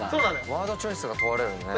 ワードチョイスが問われるね。